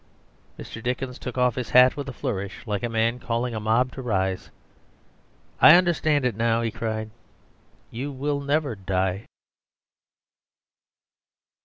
Mr. Dickens took off his hat with a flourish like a man calling a mob to rise. "I understand it now," he cried, "you will never die."